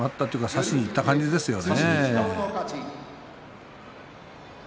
差しに行った感じですね。